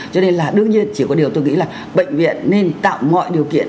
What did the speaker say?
cho nên là đương nhiên chỉ có điều tôi nghĩ là bệnh viện nên tạo mọi điều kiện